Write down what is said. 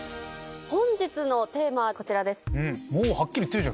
本日のテーマはこちらです。